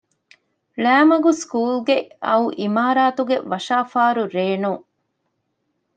ޅައިމަގު ސްކޫލްގެ އައު އިމާރާތުގެ ވަށާފާރު ރޭނުން